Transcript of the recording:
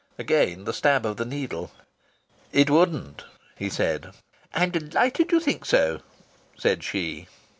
Again the stab of the needle! "It wouldn't," he said. "I'm delighted you think so," said she.